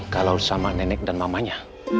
kalau sama nenek dan mamanya